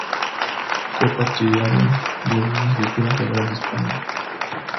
Fue partidario de una estructura federal de España.